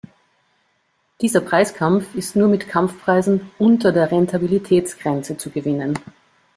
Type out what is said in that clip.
Dieser Preiskampf ist nur mit Kampfpreisen unter der Rentabilitätsgrenze zu gewinnen.